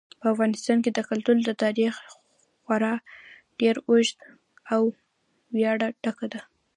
په افغانستان کې د کلتور تاریخ خورا ډېر اوږد او له ویاړه ډک دی.